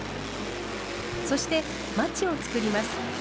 そしてマチを作ります。